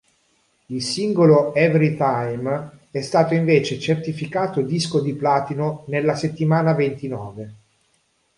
Il singolo "Everytime" è stato invece certificato disco di platino nella settimana ventinove.